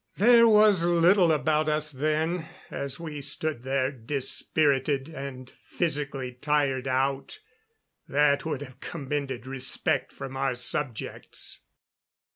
There was little about us then, as we stood there dispirited and physically tired out, that would have commended respect from our subjects.